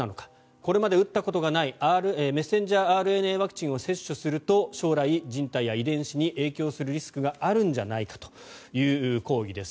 これまで打ったことがないメッセンジャーＲＮＡワクチンを接種すると、将来人体や遺伝子に影響するリスクがあるんじゃないかという抗議です。